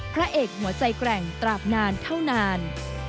พระเอกหัวใจแกร่งตราบนานเท่านาน